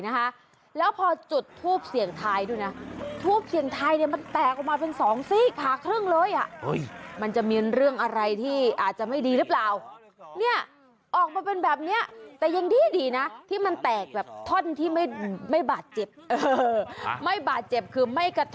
นี่คุณดูมันมาอย่างไร